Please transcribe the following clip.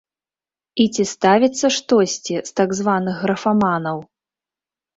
І ці ставіцца штосьці з так званых графаманаў?